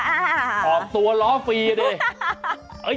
ออกตัวล้อฟรีเลย